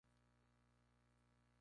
Sin embargo, ella no lo aceptó.